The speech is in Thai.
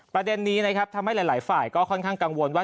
ประเด็นนี้นะครับทำให้หลายฝ่ายก็ค่อนข้างกังวลว่า